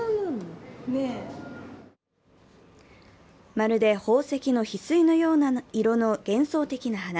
まるで宝石のひすいのような色の幻想的な花。